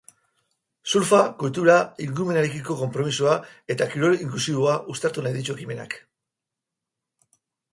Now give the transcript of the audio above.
Surfa, kultura, ingurumenarekiko konpromisoa eta kirol inklusiboa uztartu nahi ditu ekimenak.